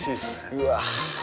うわ。